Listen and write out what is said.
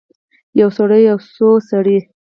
یو سړی او څو سړي